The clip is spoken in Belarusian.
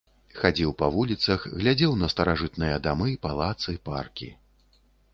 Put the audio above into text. Хадзіў па вуліцах, глядзеў на старажытныя дамы, палацы, паркі.